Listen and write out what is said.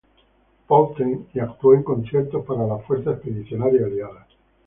Pölten, y actuó en conciertos para la Fuerza Expedicionaria Aliada.